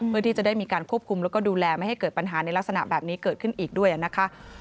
เพื่อที่จะได้มีการควบคุมแล้วก็ดูแลไม่ให้เกิดปัญหาในลักษณะแบบนี้เกิดขึ้นอีกด้วยนะคะ